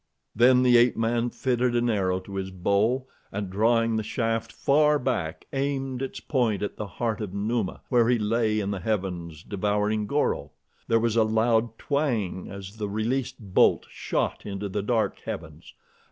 Then the ape man fitted an arrow to his bow, and drawing the shaft far back, aimed its point at the heart of Numa where he lay in the heavens devouring Goro. There was a loud twang as the released bolt shot into the dark heavens.